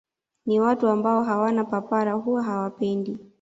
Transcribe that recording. Ni watu ambao hawana papara huwa hawapendi